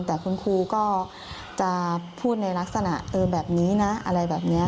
แต่คุณครูก็จะพูดในลักษณะแบบนี้นะอะไรแบบนี้